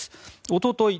おととい